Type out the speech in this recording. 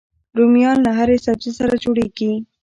رومیان له هرې سبزي سره جوړيږي